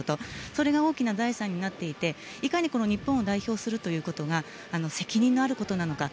それが大きな財産になっていていかにこの日本を代表するということが責任あることなのか。